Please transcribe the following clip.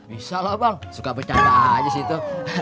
bisa lah bang suka bercanda aja sih itu